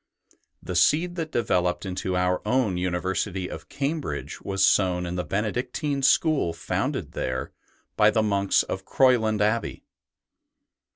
The seed that developed into our own university of Cambridge was sown in the Benedictine school founded there by the monks of Croyland Abbey.